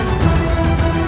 hidup raden walang susah